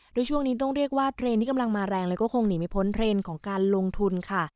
โดยช่วงนี้ต้องเรียกว่าเทรนด์ที่กำลังมาแรงแล้วก็คงหนีไม่พ้นเทรนด์ของการลงทุนค่ะ